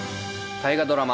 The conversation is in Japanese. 大河ドラマ